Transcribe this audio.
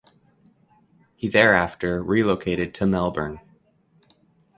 He thereafter relocated to Melbourne.